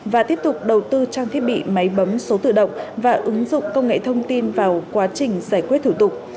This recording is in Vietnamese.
và tiếp tục đầu tư trang thiết bị máy bấm số tự động và ứng dụng công nghệ thông tin vào quá trình giải quyết thủ tục